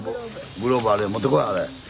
グローブあれ持ってこいあれ。